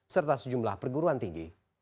serta sejumlah perguruan tinggi